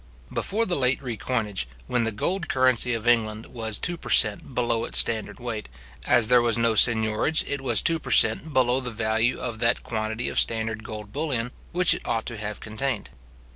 Before the late recoinage, when the gold currency of England was two per cent. below its standard weight, as there was no seignorage, it was two per cent. below the value of that quantity of standard gold bullion which it ought to have contained.